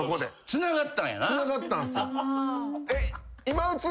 つながったんすよ。